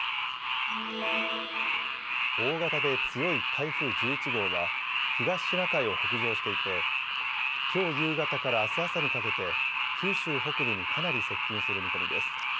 大型で強い台風１１号は東シナ海を北上していてきょう夕方からあす朝にかけて九州北部にかなり接近する見込みです。